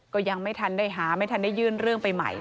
ก็ยังไม่ทันได้หาไม่ทันได้ยื่นเรื่องไปใหม่